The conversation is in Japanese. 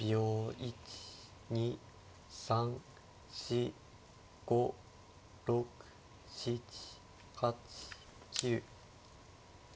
１２３４５６７８９。